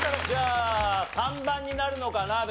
じゃあ３番になるのかな？